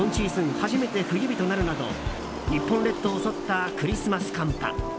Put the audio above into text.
初めて冬日となるなど日本列島を襲ったクリスマス寒波。